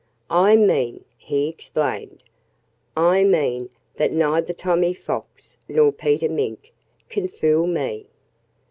"I mean" he explained "I mean that neither Tommy Fox nor Peter Mink can fool me.